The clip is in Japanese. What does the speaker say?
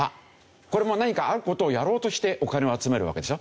これも何かある事をやろうとしてお金を集めるわけでしょ？